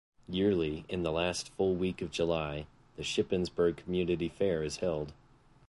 Yearly, in the last full week of July, the Shippensburg Community Fair is held.